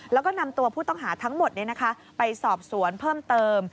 แล้วก็นำตัวผู้ต้องหาทั้งหมดไปสอบสวนเพิ่มเติม